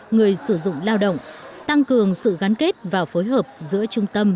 người sử dụng lao động tăng cường sự gắn kết và phối hợp giữa trung tâm